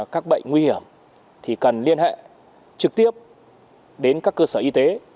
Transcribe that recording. các bệnh nguy hiểm thì cần liên hệ trực tiếp đến các cơ sở y tế